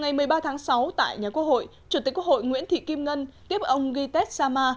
ngày một mươi ba tháng sáu tại nhà quốc hội chủ tịch quốc hội nguyễn thị kim ngân tiếp ông gites sama